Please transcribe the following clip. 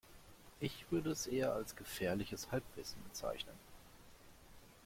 Ich würde es eher als gefährliches Halbwissen bezeichnen.